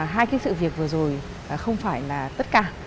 hai cái sự việc vừa rồi không phải là tất cả